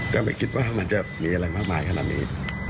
ก็ไม่คิดว่ามันจะมีอะไรมากมายขนาดนี้